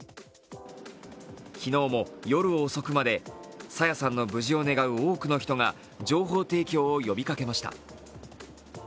昨日も夜遅くまで朝芽さんの無事を願う多くの人が情報提供を呼びかけました。